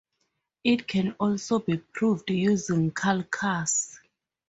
It can also be proved using calculus.